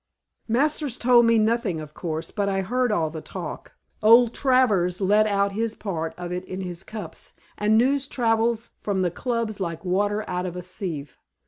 "Masters told me nothing of course, but I heard all the talk. Old Travers let out his part of it in his cups, and news travels from the Clubs like water out of a sieve.